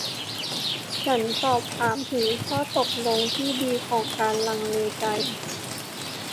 ฉันสอบถามถึงข้อตกลงที่ดีของการลังเลใจ